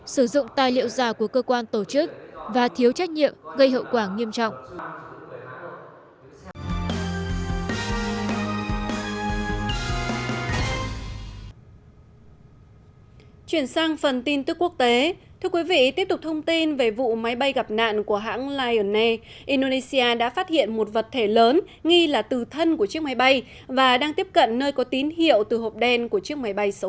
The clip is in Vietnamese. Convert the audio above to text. sử dụng tài liệu già của cơ quan tổ chức và thiếu trách nhiệm gây hậu quả nghiêm trọng